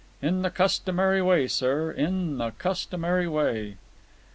. in the customary way, sir, in the customary way."